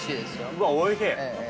◆うわっ、おいしい。